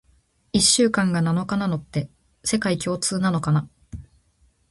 一週間が七日なのって、世界共通なのかな？